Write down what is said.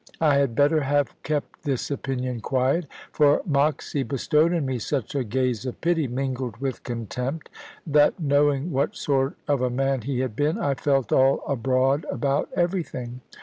I had better have kept this opinion quiet; for Moxy bestowed on me such a gaze of pity mingled with contempt, that knowing what sort of a man he had been, I felt all abroad about everything.